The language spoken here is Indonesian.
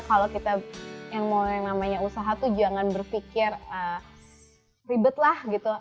kalau kita yang mau yang namanya usaha tuh jangan berpikir ribet lah gitu